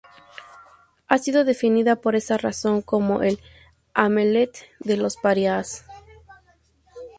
Ha sido definida por esa razón como "el Hamlet de los parias".